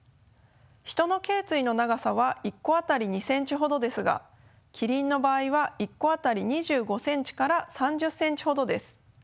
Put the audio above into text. ヒトのけい椎の長さは１個当たり２ｃｍほどですがキリンの場合は１個当たり２５ｃｍから３０ｃｍほどです。